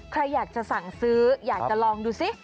ใครอยากจะสั่งซื้ออยากจะลองดูซิ